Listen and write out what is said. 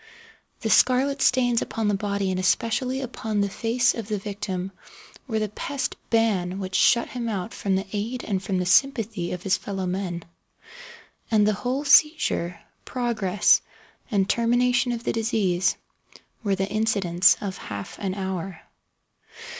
The scarlet stains upon the body and especially upon the face of the victim, were the pest ban which shut him out from the aid and from the sympathy of his fellow men. And the whole seizure, progress and termination of the disease, were the incidents of half an hour.